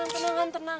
tenang han tenang